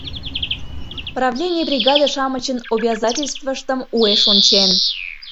Правлений бригаде-шамычын обязательствыштым уэш ончен.